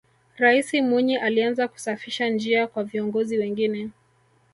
raisi mwinyi alianza kusafisha njia kwa viongozi wengine